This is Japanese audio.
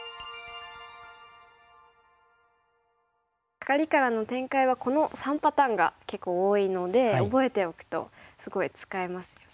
カカリからの展開はこの３パターンが結構多いので覚えておくとすごい使えますよね。